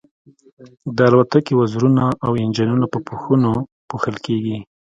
د الوتکې وزرونه او انجنونه په پوښونو پوښل کیږي